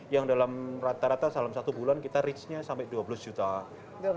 yang dalam rata rata dalam satu bulan kita reachnya sampai dua belas juta